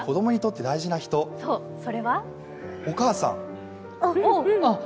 お母さん？